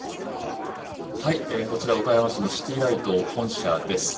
岡山市のシティライト本社です。